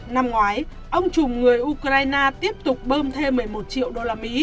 năm ngoái ông chùm người ukraine tiếp tục bơm thêm một mươi một triệu usd